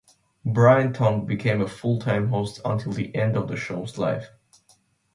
Brian Tong became a full-time host until the end of the shows life.